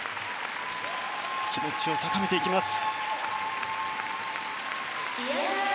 気持ちを高めていきます。